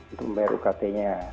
untuk membayar ukt nya